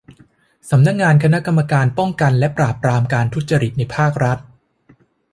สำนักงานคณะกรรมการป้องกันและปราบปรามการทุจริตในภาครัฐ